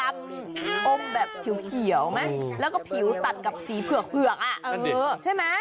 อมแบบเขียวไหมแล้วก็ผิวตัดกับสีเผือกใช่ไหม